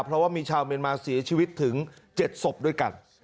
เพราะว่ามีชาวเมียนมาเสียชีวิตถึง๗ศพด้วยกัน